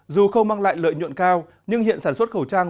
dù không mang lại lợi nhuận cao nhưng hiện sản xuất khẩu trang